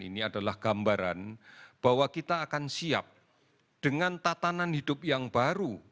ini adalah gambaran bahwa kita akan siap dengan tatanan hidup yang baru